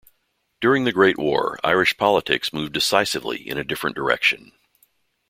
During the Great War Irish politics moved decisively in a different direction.